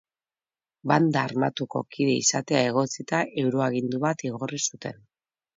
Banda armatuko kide izatea egotzita euroagindu bat igorri zuten.